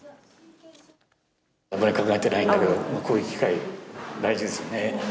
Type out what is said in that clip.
あんまり考えていないけど、こういう機会大事ですよね。